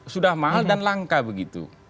sudah mahal dan langka begitu